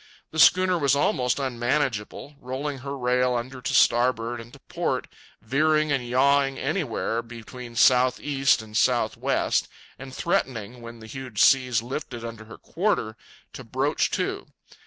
The schooner was almost unmanageable, rolling her rail under to starboard and to port, veering and yawing anywhere between south east and south west, and threatening, when the huge seas lifted under her quarter, to broach to.